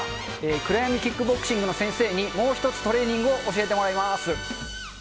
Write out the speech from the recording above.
暗闇キックボクシングの先生にもう１つトレーニングを教えてもらいます。